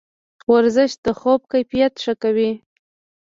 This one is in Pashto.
ورزش د خوب کیفیت ښه کوي.